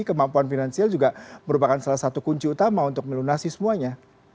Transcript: kemampuan finansial juga merupakan salah satu kunci utama untuk melunasi semuanya